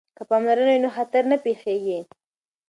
که پاملرنه وي نو خطر نه پیښیږي.